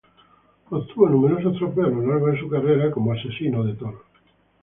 Obtuvo numerosos trofeos a lo largo de su carrera como novillero.